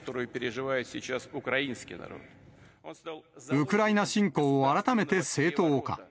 ウクライナ侵攻を改めて正当化。